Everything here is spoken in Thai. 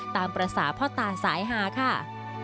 ตามภาษาพ่อตาสายหาค่ะ